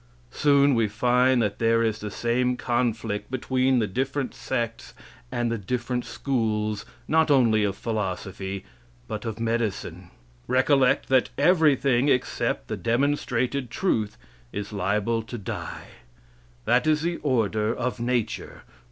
So we find that there is the same conflict between the different sects and the different schools, not only of philosophy, but of medicine. Recollect that everything except the demonstrated truth is liable to die. That is the order of nature.